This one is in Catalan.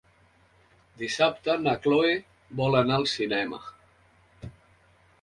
Dissabte na Cloè vol anar al cinema.